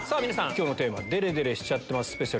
今日のテーマ「デレデレしちゃってますＳＰ」。